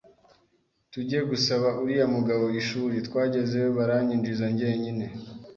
tujye gusaba uriya mugabo ishuri ,twagezeyo baranyinjiza jyenyine